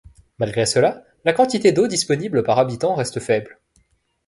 Malgré cela, la quantité d'eau disponible par habitant reste faible.